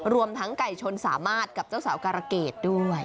รวมทั้งไก่ชนสามารถกับเจ้าสาวการะเกดด้วย